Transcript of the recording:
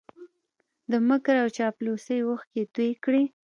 د مکر او چاپلوسۍ اوښکې یې توی کړې